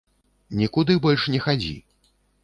Нікуды больш не хадзі.